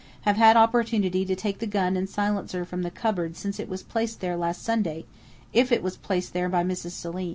have had opportunity to take the gun and the silencer from the cupboard since it was placed there last Sunday, if it was placed there by Mrs. Selim.